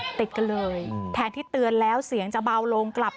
ติดกันเลยใช่ไหมติดกันเลยแทนที่เตือนแล้วเสียงจะเบาลงกลับ